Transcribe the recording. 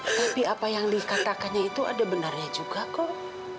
tapi apa yang dikatakannya itu ada benarnya juga kok